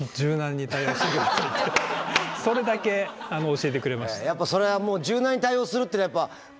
それだけ教えてくれました。